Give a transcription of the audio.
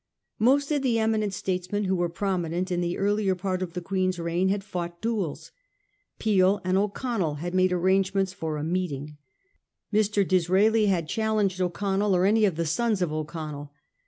Most of the eminent statesmen who were prominent in the earlier part of the Quern's reign had fought duels. Peel and O'Connell had made arrangements for a ' meeting.' Mr. Disraeli had challenged O'Connell or any of the sons of O'Connell.